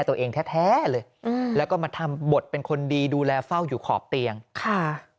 ตัวเองแท้แท้เลยอืมแล้วก็มาทำบทเป็นคนดีดูแลเฝ้าอยู่ขอบเตียงค่ะ